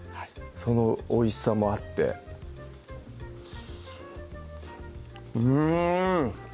そのおいしさもあってうん！